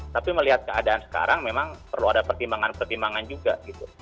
tapi melihat keadaan sekarang memang perlu ada pertimbangan pertimbangan juga gitu